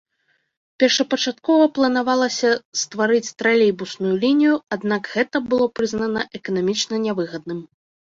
Першапачаткова планавалася стварыць тралейбусную лінію, аднак гэта было прызнана эканамічна нявыгадным.